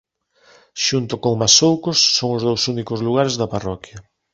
Xunto con Masoucos son os dous únicos lugares da parroquia.